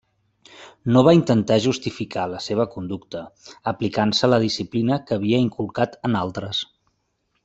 No va intentar justificar la seva conducta, aplicant-se la disciplina que havia inculcat en altres.